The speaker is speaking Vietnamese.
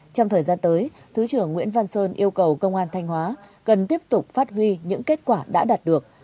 trong thời gian tới thứ trưởng nguyễn văn sơn yêu cầu công an thanh hóa cần tiếp tục phát huy những kết quả đã đạt được